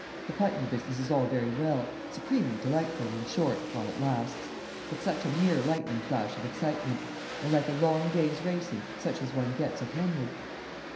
The Putney business is all very well supremely delightful, in short, while it lasts but such a mere lightning flash of excitement. I like a long day's racing, such as one gets at Henley."